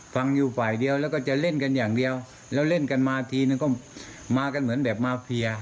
ฟังอยู่ฝ่ายเดียวแล้วก็จะเล่นกันอย่างเดียวแล้วเล่นกันมาทีนึงก็มากันเหมือนแบบมาเพีย